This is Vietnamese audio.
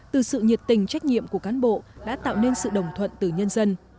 từ sự nhiệt tình trách nhiệm của cán bộ đã tạo nên sự đồng thuận từ nhân dân